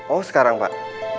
oh sekarang pak